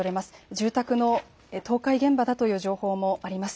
住宅の倒壊現場だという情報もあります。